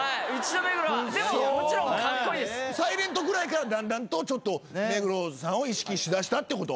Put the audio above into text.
『ｓｉｌｅｎｔ』ぐらいからだんだんとちょっと目黒さんを意識しだしたってこと？